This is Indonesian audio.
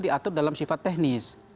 diatur dalam sifat teknis